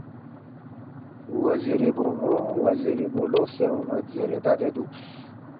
وزیری بون٘و وزیری بوُ لوقسے اون٘ید زیرے ددے دُوکس